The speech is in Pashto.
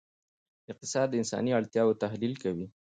اقتصاد د انساني اړتیاوو تحلیل کوي.